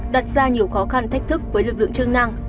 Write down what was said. đặt ra nhiều khó khăn thách thức với lực lượng chức năng